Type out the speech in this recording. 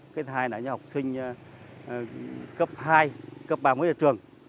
cái thứ hai là những học sinh cấp hai cấp ba mới ở trường